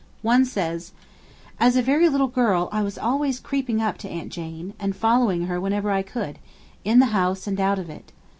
One says: 'As a very little girl I was always creeping up to aunt Jane, and following her whenever I could, in the house and out of it.